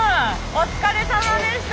お疲れさまでした！